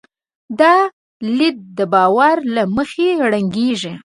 دا لید د باور له مخې رنګېږي.